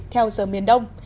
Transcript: theo giờ miền đông